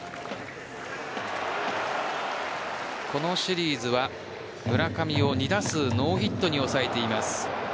このシリーズは村上を２打数ノーヒットに抑えています。